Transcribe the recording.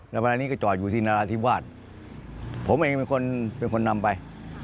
แล้วเวลานี้ก็จอดอยู่ที่นราธิวาสผมเองเป็นคนเป็นคนนำไป